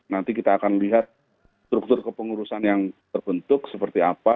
nanti kita akan lihat struktur kepengurusan yang terbentuk seperti apa